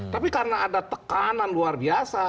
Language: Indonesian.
tapi karena ada tekanan luar biasa